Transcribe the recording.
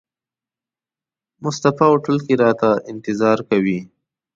مصطفی هوټل کې راته انتظار کوي.